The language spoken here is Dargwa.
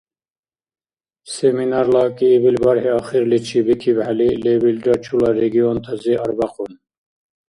Семинарла кӀиибил бархӀи ахирличи бикибхӀели, лебилра чула регионтази арбякьун.